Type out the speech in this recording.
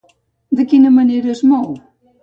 De quina manera es mou?